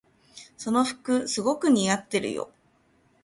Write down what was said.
その服すごく似合ってるよ。